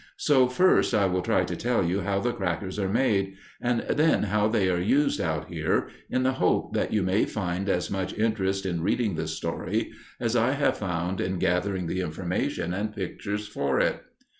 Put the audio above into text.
So first I will try to tell you how the crackers are made and then how they are used out here, in the hope that you may find as much interest in reading the story as I have found in gathering the information and pictures for it.